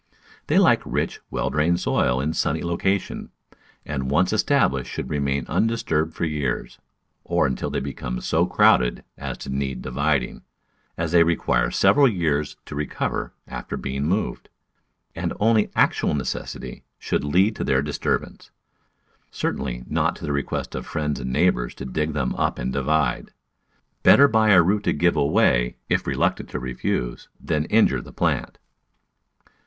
They like rich, well drained soil in a sunny location, and once estab lished should remain undisturbed for years, or until they become so crowded as to need dividing, as they require several years to recover after being moved, and only actual necessity should lead to their dis turbance, certainly not the requests of friends and neighbours to dig them up and divide. Better buy a root to give away, if reluctant to refuse, than injure the plant.